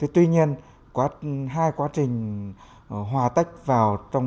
tuy nhiên hai quá trình hòa tách vào